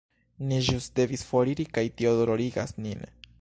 Ni ĵus devis foriri kaj tio dolorigas nin.